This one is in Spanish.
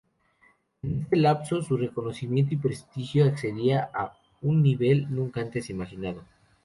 En este lapso, su reconocimiento y prestigio accedía a un nivel nunca antes imaginado.